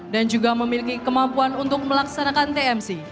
dan juga memiliki kemampuan untuk melaksanakan tmc